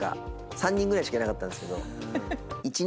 ３人ぐらいしかいなかったんですけど。